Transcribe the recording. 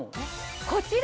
こちら